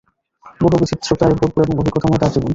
বহু বিচিত্রতায় ভরপুর এবং অভিজ্ঞতাময় তার জীবন।